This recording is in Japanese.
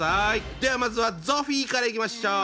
ではまずはゾフィーからいきましょう！